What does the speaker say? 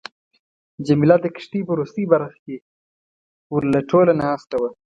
جميله د کښتۍ په وروستۍ برخه کې ورله ټوله ناسته وه.